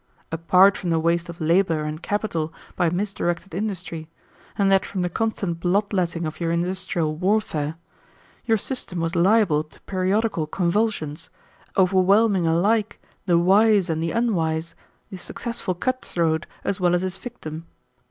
"Apart from the waste of labor and capital by misdirected industry, and that from the constant bloodletting of your industrial warfare, your system was liable to periodical convulsions, overwhelming alike the wise and unwise, the successful cut throat as well as his victim.